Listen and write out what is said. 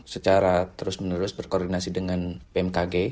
secara terus menerus berkoordinasi dengan pmkg